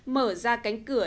mở ra cánh cửa